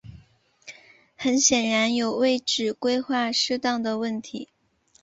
很显然有位置规划失当的问题。